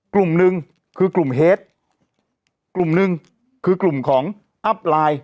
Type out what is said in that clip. กลุ่มหนึ่งคือกลุ่มเฮดกลุ่มหนึ่งคือกลุ่มของอัพไลน์